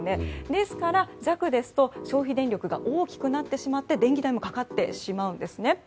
ですから、弱ですと消費電力が大きくなって電気代もかかってしまうんですね。